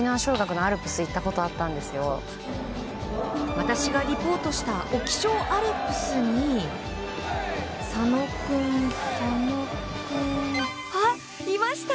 私がリポートした沖尚アルプスに佐野君、佐野君、いました！